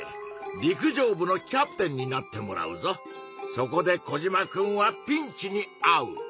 そこでコジマくんはピンチにあう！